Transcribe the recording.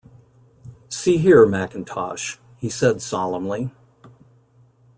"See here, Mackintosh," he said solemnly.